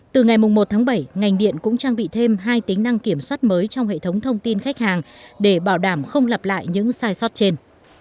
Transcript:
từ ngày một tháng bảy ngành điện cũng trang bị thêm hai tính năng kiểm soát mới trong hệ thống thông tin khách hàng để bảo đảm không lặp lại những sai sót trên